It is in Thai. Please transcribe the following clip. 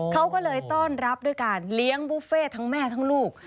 เขาก็เลยต้อนรับด้วยการเลี้ยงบุฟเฟ่ทั้งแม่ทั้งลูก